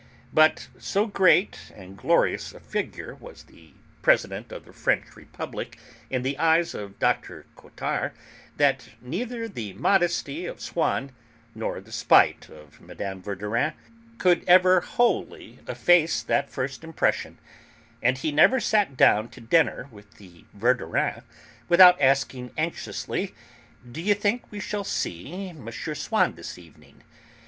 But so great and glorious a figure was the President of the French Republic in the eyes of Dr. Cottard that neither the modesty of Swann nor the spite of Mme. Verdurin could ever wholly efface that first impression, and he never sat down to dinner with the Verdurins without asking anxiously, "D'you think we shall see M. Swann here this evening?